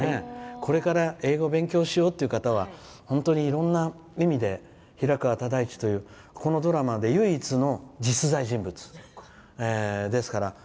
これから英語勉強しようって方は本当にいろんな意味で平川唯一というこのドラマで唯一の実在人物ですから。